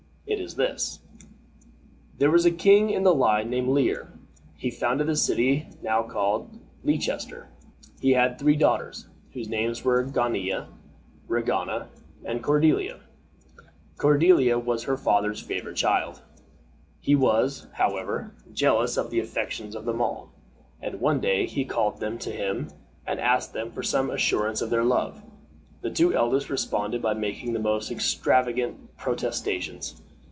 It is this: There was a king in the line named Lear. He founded the city now called Leicester. He had three daughters, whose names were Gonilla, Regana, and Cordiella. Cordiella was her father's favorite child. He was, however, jealous of the affections of them all, and one day he called them to him, and asked them for some assurance of their love. The two eldest responded by making the most extravagant protestations.